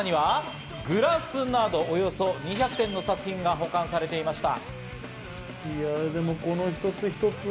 さらにはグラスなどおよそ２００点の作品が保管されていました。